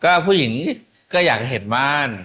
ก็ผู้หญิงก็อยากจะเห็นบ้าน